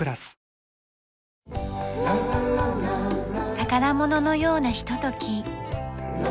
宝物のようなひととき。